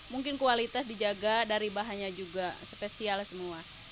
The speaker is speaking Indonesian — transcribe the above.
mungkin kualitas dijaga dari bahannya juga spesial semua